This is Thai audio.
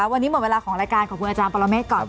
วันนี้หมดเวลาของรายการขอบคุณอาจารย์ปรเมฆก่อน